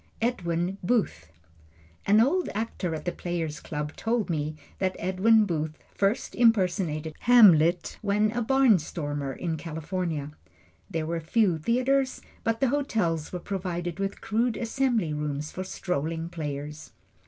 Edwin Booth An old actor at the Player's Club told me that Edwin Booth first impersonated Hamlet when a barnstormer in California. There were few theatres, but the hotels were provided with crude assembly rooms for strolling players.